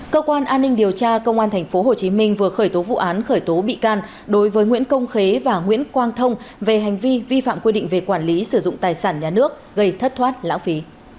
cơ quan an ninh điều tra công an tp hcm vừa khởi tố vụ án khởi tố bị can đối với nguyễn công khế và nguyễn quang thông về hành vi vi phạm quy định về quản lý sử dụng tài sản nhà nước gây thất thoát lãng phí